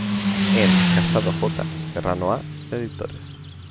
En: Casado J, Serrano A, editores.